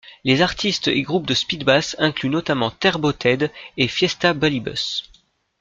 Les artistes et groupe de speedbass incluent notamment Terbo Ted, et Fiesta Bullybus.